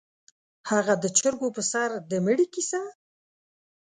_هغه د چرګو پر سر د مړي کيسه؟